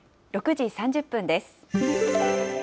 ６時３０分です。